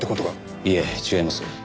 いいえ違います。